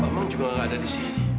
ngomong juga nggak ada di sini